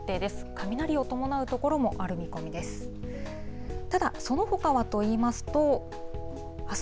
雷を伴う所もある見込みです。